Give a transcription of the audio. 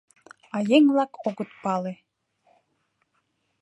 — А еҥ-влак огыт пале.